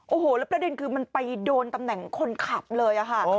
โอ้โหแล้วประเด็นคือมันไปโดนตำแหน่งคนขับเลยค่ะ